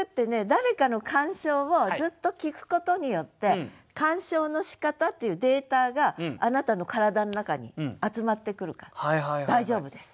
誰かの鑑賞をずっと聞くことによって鑑賞のしかたっていうデータがあなたの体の中に集まってくるから大丈夫です。